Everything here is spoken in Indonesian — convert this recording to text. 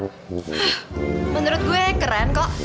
hmm menurut gue keren kok